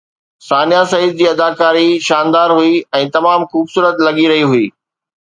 ثانيه سعيد جي اداڪاري شاندار هئي ۽ تمام خوبصورت لڳي رهي هئي